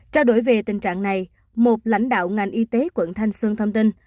trao đổi về tình trạng này một lãnh đạo ngành y tế quận thanh xuân thông tin